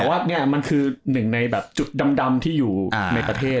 แต่ว่านี่มันคือหนึ่งในแบบจุดดำที่อยู่ในประเทศ